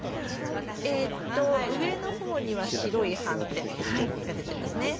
えっと上の方には白い斑点が出てますね。